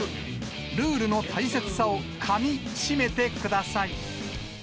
ルールの大切さをかみしめてください。